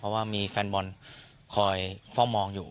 เพราะว่ามีแฟนบอลคอยเฝ้ามองอยู่